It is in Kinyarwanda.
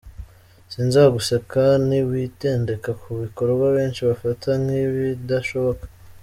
Sinzaguseka ni witendeka ku bikorwa benshi bafata nk’ ibidashoboka.